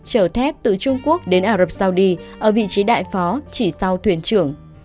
chở thép từ trung quốc đến ả rập saudi ở vị trí đại phó chỉ sau thuyền trưởng